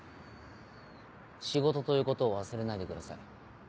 仕事ということを忘れないでください。